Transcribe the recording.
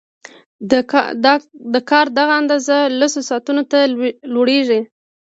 د کار دغه اندازه لسو ساعتونو ته لوړېږي